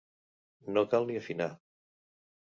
No cal ni afinar!